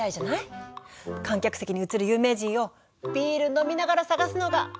観客席に映る有名人をビール飲みながら探すのが好きなんだよねぇ！